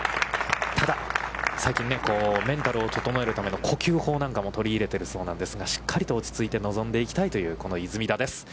ただ、最近、メンタルを整えるための呼吸法なんかも取り入れているそうなんですが、しっかりと落ちついて臨んでいきたいという出水田です。